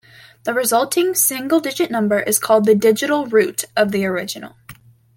The resulting single-digit number is called the "digital root" of the original.